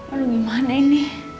aduh gimana ini